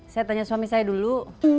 saya tanya suami saya dulu